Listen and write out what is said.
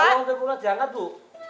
tolong terpulang jangan kan bu